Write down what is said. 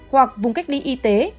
hoặc vùng cách ly y tế